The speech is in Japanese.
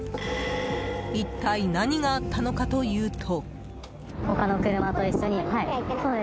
一体、何があったのかというと。